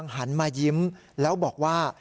ค้าเป็นผู้ชายชาวเมียนมา